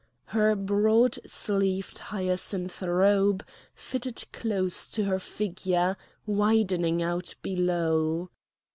Her broad sleeved hyacinth robe fitted close to her figure, widening out below.